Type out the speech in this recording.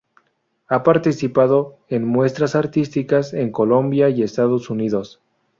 Ha participado en muestras artísticas en Colombia y Estados Unidos.